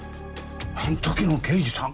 あん時の刑事さん！？